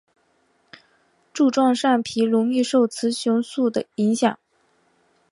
柱状上皮容易受雌激素的影响。